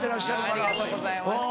ありがとうございます。